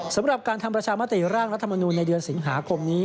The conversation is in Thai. สำหรับการทำประชามติร่างรัฐมนูลในเดือนสิงหาคมนี้